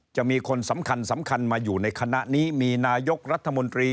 จะมีคนสำคัญสำคัญมาอยู่ในคณะนี้มีนายกรัฐมนตรี